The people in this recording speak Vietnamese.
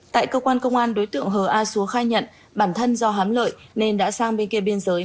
tại cơ quan công an đối tượng hờ a xúa khai nhận bản thân do hám lợi nên đã sang bên kia biên giới